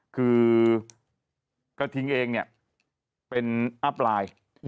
คือกระทิงเองเป็นอัพไลน์